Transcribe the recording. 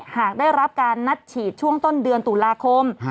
หากได้รับการนัดฉีดช่วงต้นเดือนตุลาคม